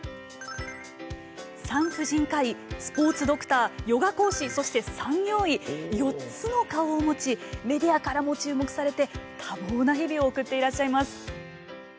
産婦人科医スポーツドクターヨガ講師そして産業医４つの顔を持ちメディアからも注目されて多忙な日々を送っていらっしゃいます。